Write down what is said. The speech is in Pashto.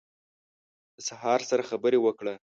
د سهار سره خبرې وکړه